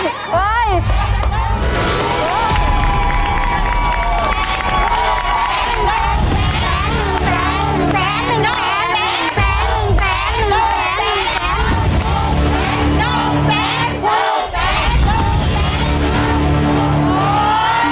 จะทำเวลาไหมครับเนี่ย